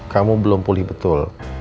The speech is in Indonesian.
kamu belum pulih betul